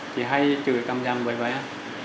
chị hay chửi cằm rằm vầy vầy á